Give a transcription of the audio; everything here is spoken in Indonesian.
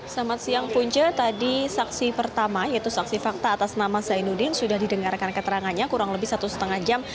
selamat siang punca tadi saksi pertama yaitu saksi fakta atas nama zainuddin sudah didengarkan keterangannya kurang lebih satu setengah jam